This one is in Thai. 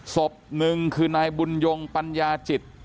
ศพหนึ่งคือนายบุญยงปัญญาจิต